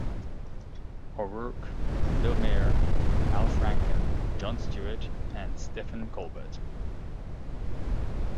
O'Rourke, Bill Maher, Al Franken, Jon Stewart, and Stephen Colbert.